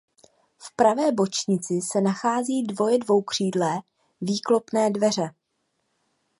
V pravé bočnici se nacházejí dvoje dvoukřídlé výklopné dveře.